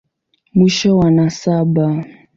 Mwisho wa nasaba.